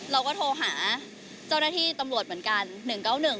เราก็โทรหาเจ้าหน้าที่ตำรวจเหมือนกัน๑๙๑